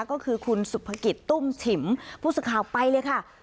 ก็คือคุณสุภกิจตุ้มฉิมผู้สื่อข่าวไปเลยค่ะ